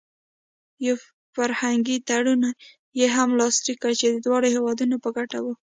یو فرهنګي تړون یې هم لاسلیک کړ چې د دواړو هېوادونو په ګټه و.